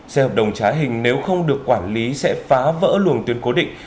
xe hợp đồng trá hình nếu không được quản lý sẽ phá vỡ luồng tuyến cố định